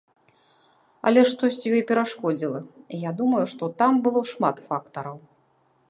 Але штосьці ёй перашкодзіла, і я думаю, што там было шмат фактараў.